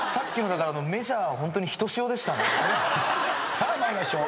さあ参りましょう。